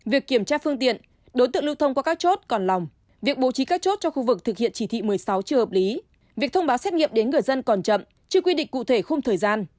việc kiểm tra phương tiện đối tượng lưu thông qua các chốt còn lòng việc bố trí các chốt cho khu vực thực hiện chỉ thị một mươi sáu chưa hợp lý việc thông báo xét nghiệm đến người dân còn chậm chưa quy định cụ thể khung thời gian